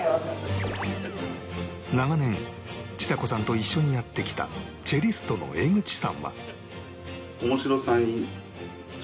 長年ちさ子さんと一緒にやってきたチェリストの江口さんは